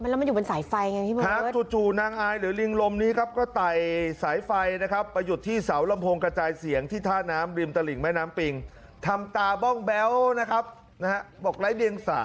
แล้วมันอยู่บนสายไฟไงที่เมืองเบิร์ด